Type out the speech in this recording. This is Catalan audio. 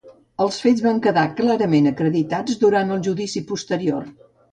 Els fets van quedar clarament acreditats durant el judici posterior.